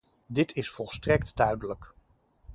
Dit is volstrekt duidelijk.